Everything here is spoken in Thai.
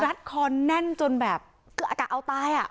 รัดคอนแน่นจนแบบเกือบตายอ่ะ